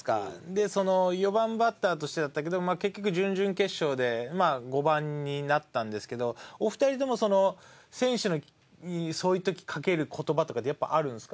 で４番バッターとしてだったけど結局準々決勝でまあ５番になったんですけどお二人とも選手にそういう時かける言葉とかってやっぱあるんですか？